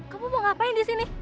kamu mau ngapain di sini